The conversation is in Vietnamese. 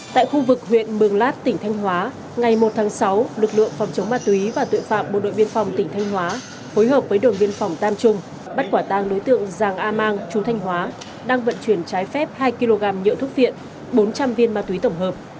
tại khu vực huyện mường lát tỉnh thanh hóa ngày một tháng sáu lực lượng phòng chống ma túy và tội phạm bộ đội biên phòng tỉnh thanh hóa phối hợp với đồn biên phòng tam trung bắt quả tang đối tượng giàng a mang chú thanh hóa đang vận chuyển trái phép hai kg nhựa thuốc viện bốn trăm linh viên ma túy tổng hợp